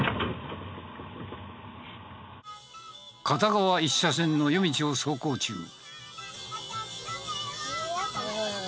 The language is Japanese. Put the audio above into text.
片側一車線の夜道を走行中。